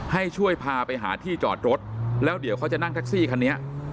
ให้ช่วยพาไปหาที่จอดรถแล้วเดี๋ยวเขาจะนั่งแท็กซี่คันนี้